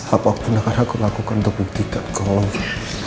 apapun akan aku lakukan untuk buktikan kalau